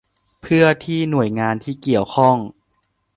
เพื่อที่หน่วยงานที่เกี่ยวข้อง